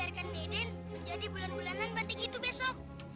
aku tidak akan membiarkan deden menjadi bulan bulanan banteng itu besok